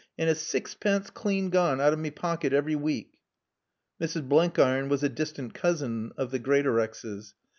"And it's sexpence clane gone out o' me packet av'ry week." Mrs. Blenkiron was a distant cousin of the Greatorexes.